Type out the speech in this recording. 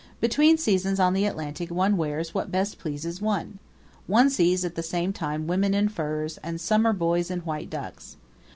Between seasons on the Atlantic one wears what best pleases one. One sees at the same time women in furs and summer boys in white ducks.